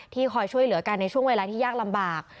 คอยช่วยเหลือกันในช่วงเวลาที่ยากลำบาก